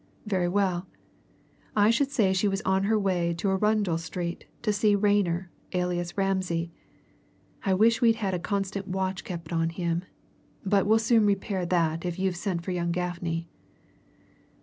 Very well I should say she was on her way to Arundel Street to see Rayner, alias Ramsay. I wish we'd had a constant watch kept on him. But we'll soon repair that if you've sent for young Gaffney."